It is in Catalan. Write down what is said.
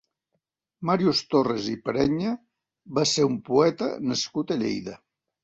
Màrius Torres i Perenya va ser un poeta nascut a Lleida.